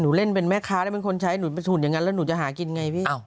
หนูเล่นเป็นแม่ค้าโดยมันเป็นคนใช้หนูถูินอย่างงั้นละหนูจะหากินไงพี่